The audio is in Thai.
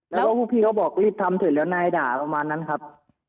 แล้วก็พวกพี่เขาบอกรีบทำเสร็จแล้วนายด่าประมาณนั้นครับ